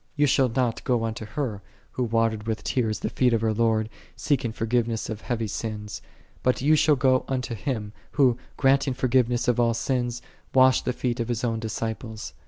4 Thou shalt not go unto her, who watered with tears the feet of her Lord, seeking forgiveness of heavy sins; but thou shalt go unto Him, Who, granting forgiveness of all sins, washed the feet of His own disci ples.